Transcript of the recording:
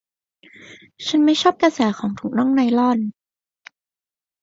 เธอไม่ชอบกระแสของถุงน่องไนลอน